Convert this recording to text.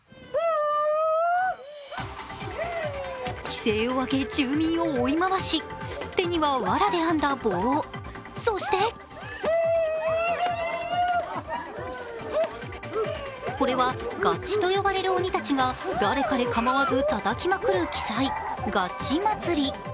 奇声を上げ住民を追い回し、手にはわらで編んだ棒、そしてこれはガッチと呼ばれる鬼たちが誰彼かまわずたたきまくる奇祭・ガッチ祭り。